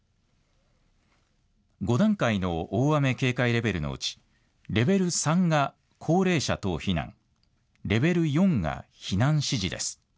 ５段階の大雨警戒レベルのうちレベル３が高齢者等避難、レベル４が避難指示です。